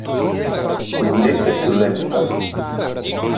Quindi è più lenta.